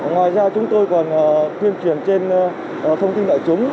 ngoài ra chúng tôi còn tuyên truyền trên thông tin